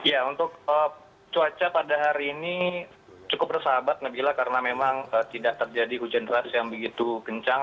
ya untuk cuaca pada hari ini cukup bersahabat nabila karena memang tidak terjadi hujan deras yang begitu kencang